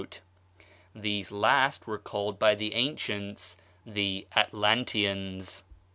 These last were called by the ancients the Atlanteans.